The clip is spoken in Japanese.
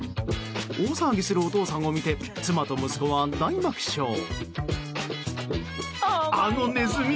大騒ぎするお父さんを見て妻と息子は大爆笑。